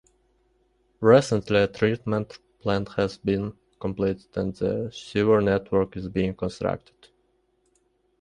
Recently a treatment plant has been completed and the sewer network is being constructed.